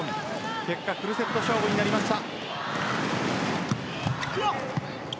結果フルセット勝負になりました。